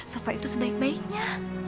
sofa itu sebaik baiknya